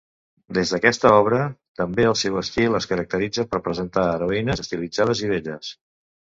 Des d'aquesta obra també el seu estil es caracteritza per presentar heroïnes estilitzades i belles.